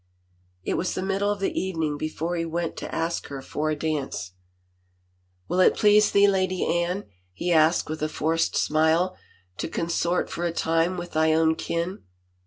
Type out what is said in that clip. It was the middle of the evening before he went to ask her for a dance. 220 LADY ANNE ROCHFORD " Will it please thee, Lady Anne," he asked with a forced smile, " to consort for a time with thy own kin?